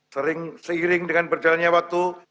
sering seiring dengan berjalannya waktu